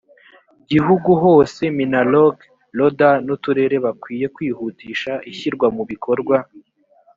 gihugu hose minaloc loda n uturere bakwiye kwihutisha ishyirwa mu bikorwa